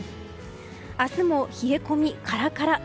明日も冷え込みカラカラ。